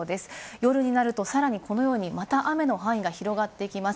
夜になると、さらにこのようにまた雨の範囲が広がっていきます。